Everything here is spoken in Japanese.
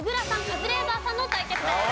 カズレーザーさんの対決です。